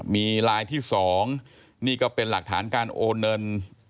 มีลายที่๒นี่ก็เป็นหลักฐานการโอนเงิน